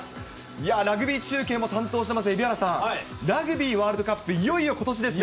いやー、ラグビー中継も担当しています蛯原さん、ラグビーワールドカップ、いよいよことしですね。